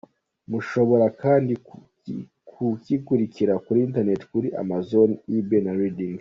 Mushobora kandi kukigurira kuri internet kuri Amazon, ebay, readings.